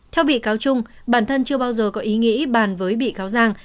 theo bị cáo trung bản thân chưa bao giờ có ý nghĩa bàn với bị cáo giang